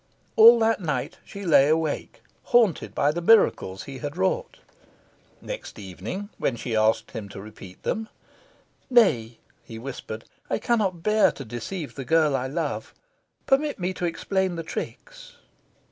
All that night, she lay wide awake, haunted by the miracles he had wrought. Next evening, when she asked him to repeat them, "Nay," he whispered, "I cannot bear to deceive the girl I love. Permit me to explain the tricks."